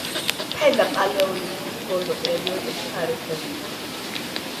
ფენა პალეოლითის ბოლო პერიოდით თარიღდება.